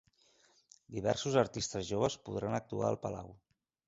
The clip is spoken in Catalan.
Diversos artistes joves podran actuar al Palau.